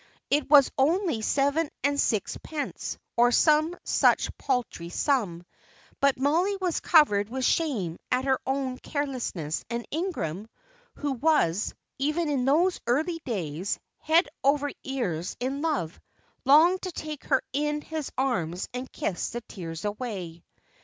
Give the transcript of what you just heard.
It was only seven and sixpence, or some such paltry sum, but Mollie was covered with shame at her own carelessness, and Ingram, who was, even in those early days, head over ears in love, longed to take her in his arms and kiss the tears away.